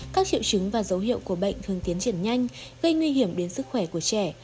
các triệu chứng và dấu hiệu của bệnh thường tiến triển nhanh gây nguy hiểm đến sức khỏe của trẻ